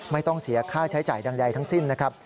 ไม่ต้องเสียค่าใช้จ่ายใดทั้งสิ้นนะครับ